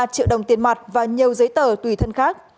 ba triệu đồng tiền mặt và nhiều giấy tờ tùy thân khác